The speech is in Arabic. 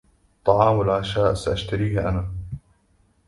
طعام العشاء سأشتريه أنا.